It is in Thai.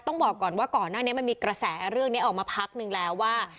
ต้องบอกก่อนว่าก่อนหน้านี้มันมีกระแสเรื่องนี้ออกมาพักนึงแล้วว่า